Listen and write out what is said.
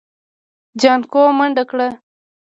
جانکو منډه کړه.